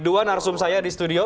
dua narasum saya di studio